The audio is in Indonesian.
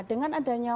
dengan adanya wang